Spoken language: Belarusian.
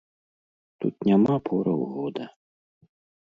Тут няма пораў года.